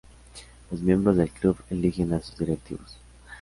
Los miembros del club eligen a sus directivos.